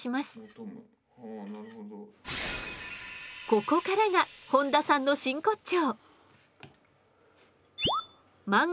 ここからが本多さんの真骨頂！